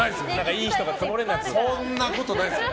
いい人がツモれないですよ。